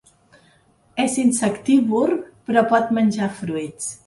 És insectívor però pot menjar fruits.